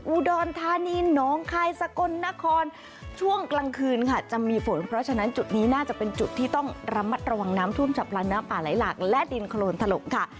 อุดรธานีน้องคายสกลนครช่วงกลางคืนค่ะจะมีฝนเพราะฉะนั้นจุดนี้น่าจะเป็นจุดที่ต้องระมัดระวังน้ำท่วมฉับพลันน้ำป่าไหลหลักและดินโครนถลกค่ะ